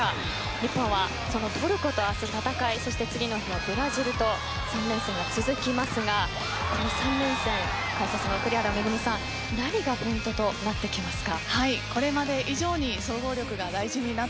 日本はそのトルコと明日戦いその次の日はブラジルと３連戦が続きますがこの３連戦解説の栗原恵さん何がポイントとなってきますか。